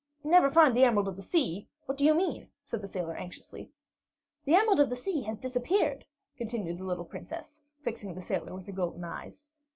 "Never find the Emerald of the Sea! What do you mean?" said the sailor anxiously. "The Emerald of the Sea has disappeared," continued the little Princess, fixing the sailor with her golden eyes.